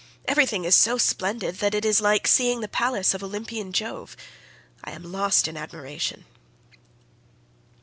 Everything is so splendid that it is like seeing the palace of Olympian Jove. I am lost in admiration."